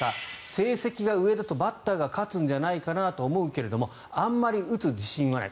成績上だとバッターが勝つんじゃないかなと思うけれどもあまり打つ自信はない。